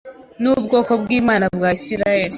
n’ubwoko bw’Imana bwa Isirayeli